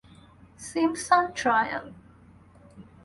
Simpson trial.